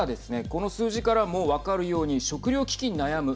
この数字からも分かるように食料危機に悩む